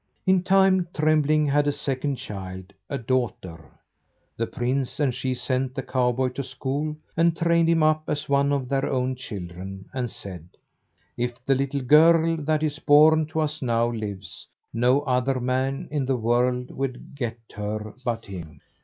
In time Trembling had a second child, a daughter. The prince and she sent the cowboy to school, and trained him up as one of their own children, and said: "If the little girl that is born to us now lives, no other man in the world will get her but him."